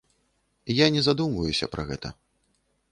Я не задумваюся пра гэта.